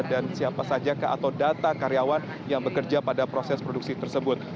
dan siapa saja atau data karyawan yang bekerja pada proses produksi tersebut